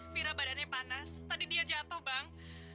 fira badannya panas tadi dia jatoh bang